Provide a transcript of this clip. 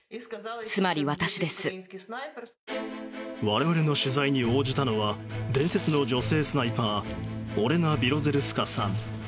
我々の取材に応じたのは伝説の女性スナイパーオレナ・ビロゼルスカさん。